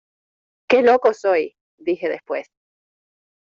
¡Qué loco soy! dije después.